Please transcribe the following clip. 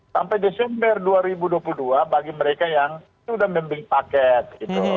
sampai desember dua ribu dua puluh dua bagi mereka yang sudah membeli paket